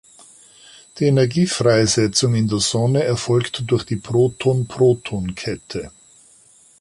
Die Energiefreisetzung in der Sonne erfolgt durch die Proton-Proton-Kette.